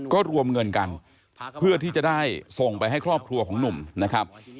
ก็รวมเงินกันเพื่อที่จะได้ส่งไปให้ครอบครัวของหนุ่มนะครับ